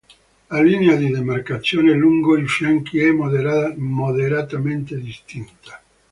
La linea di demarcazione lungo i fianchi è moderatamente distinta.